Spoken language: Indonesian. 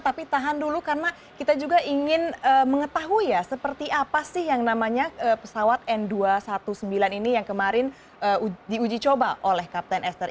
tapi tahan dulu karena kita juga ingin mengetahui ya seperti apa sih yang namanya pesawat n dua ratus sembilan belas ini yang kemarin diuji coba oleh kapten esther